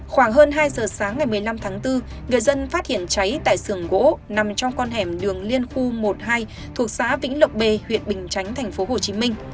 khoảng hơn hai giờ sáng ngày một mươi năm tháng bốn người dân phát hiện cháy tại sườn gỗ nằm trong con hẻm đường liên khu một mươi hai thuộc xã vĩnh lộc bê huyện bình chánh tp hcm